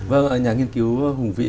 vâng nhà nghiên cứu hùng vĩ